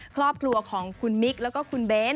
ครอบครัวของคุณมิกแล้วก็คุณเบส